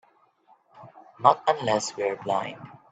Not unless we're blind.